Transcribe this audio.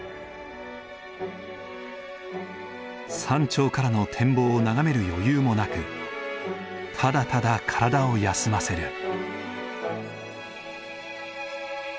山頂からの展望を眺める余裕もなくただただ体を休ませる。